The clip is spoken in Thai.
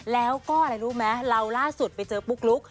แล้วก็อะไรรู้ไหมเราล่าสุดไปเจอปุ๊กลุ๊ก